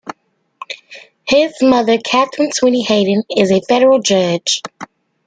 His mother, Katharine Sweeney Hayden, is a federal judge.